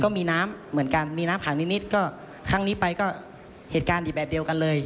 มีน้ำผักนิดก็ครั้งนี้ไปก็เหตุการณ์อีกแบบเดียวกันเลย